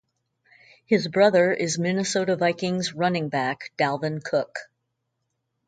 His brother is Minnesota Vikings running back Dalvin Cook.